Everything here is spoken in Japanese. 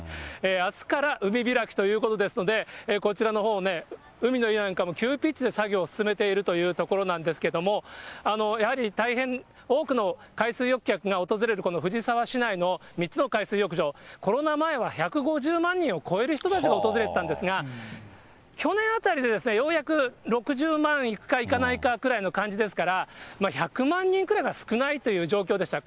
あすから海開きということですので、こちらのほうもね、海の家なんかも急ピッチで作業を進めているというところなんですけども、やはり大変多くの海水浴客が訪れるこの藤沢市内の３つの海水浴場、コロナ前は１５０万人を超える人たちが訪れてたんですが、去年あたりで、ようやく６０万いくかいかないかくらいの感じですから、１００万人ぐらいは少ないという状況でした。